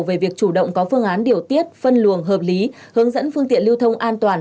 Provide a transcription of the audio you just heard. về việc chủ động có phương án điều tiết phân luồng hợp lý hướng dẫn phương tiện lưu thông an toàn